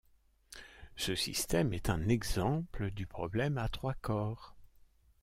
Ce système est un exemple du problème à trois corps.